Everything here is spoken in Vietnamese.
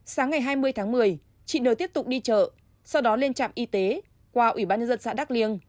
sáng ngày hai mươi tháng một mươi chị n tiếp tục đi chợ sau đó lên trạm y tế qua ủy ban nhân dân xã đắk liêng